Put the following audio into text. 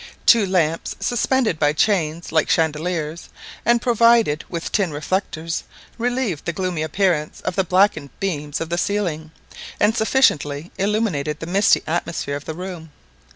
Two lamps suspended by chains, like chandeliers, and provided with tin reflectors, relieved the gloomy appearance of the blackened beams of the ceiling, and sufficiently illuminated the misty atmosphere of the room.